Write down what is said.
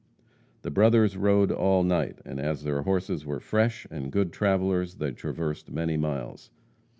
The brothers rode all night, and as their horses were fresh and good travellers, they traversed many miles.